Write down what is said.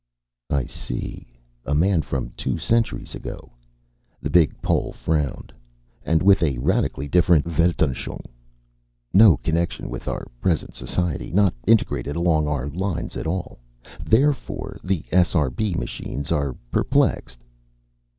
"I see. A man from two centuries ago." The big Pole frowned. "And with a radically different Weltanschauung. No connection with our present society. Not integrated along our lines at all. Therefore the SRB machines are perplexed."